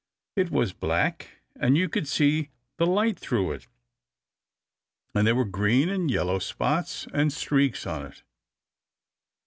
It was black, and you could see the light through it, and there were green and yellow spots and streaks on it.